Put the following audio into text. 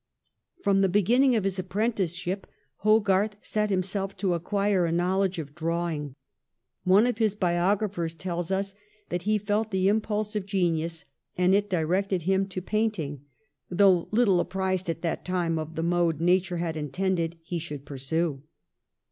From the beginning of his apprenticeship Hogarth set himself to acquire a knowledge of drawing. One of his biographers tells us that ^ he felt the impulse of genius, and it directed him to painting, though little apprised at that time of the mode nature had intended he should pursue.'